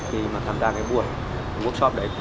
thì mà tham gia cái buổi workshop đấy